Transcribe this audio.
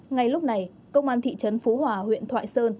ngay lúc này công an thị trấn phú hòa huyện thoại sơn